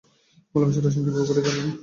ভালোবাসার রসায়ন কীভাবে ঘটে জানো?